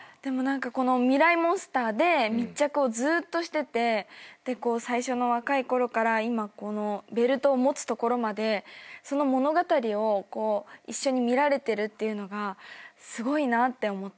この『ミライ☆モンスター』で密着をずっとしてて最初の若いころから今このベルトを持つところまでその物語をこう一緒に見られてるっていうのがすごいなって思って。